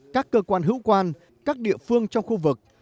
các cơ quan hữu quan các địa phương trong khu vực